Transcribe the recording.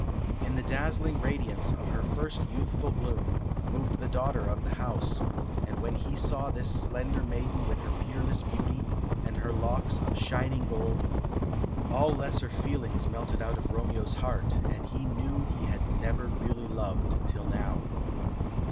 In the dazzling radiance of her first youthful bloom, moved the daughter of the house, and when he saw this slender maiden with her peerless beauty, and her locks of shining gold, all lesser feelings melted out of Romeo's heart, and he knew he had never really loved till now.